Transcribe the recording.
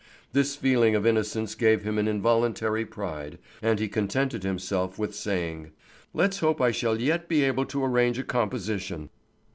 This feeling of innocence gave him an involuntary pride, and he contented himself with saying: "Let's hope I shall yet be able to arrange a composition."